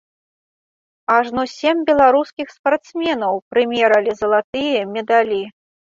Ажно сем беларускіх спартсменаў прымералі залатыя медалі.